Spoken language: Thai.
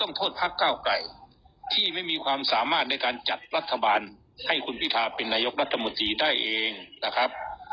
โทษพักเก้าไกลที่ไม่มีความสามารถในการจัดรัฐบาลให้คุณพิทาเป็นนายกรัฐมนตรีได้เองนะครับ